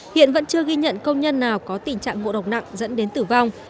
hiện vẫn chưa ghi nhận công nhân nào có tình trạng ngộ độc nặng dẫn đến tử vong